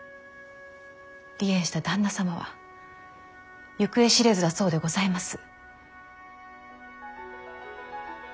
離縁した旦那様は行方知れずだそうでございます。